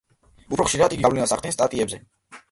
უფრო ხშირად იგი გავლენას ახდენს სტატიებზე.